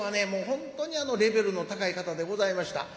本当にレベルの高い方でございました。